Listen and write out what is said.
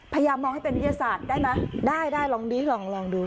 พยายามมองให้เป็นวิทยาศาสตร์ได้ไหมได้ได้ลองดีลองลองดู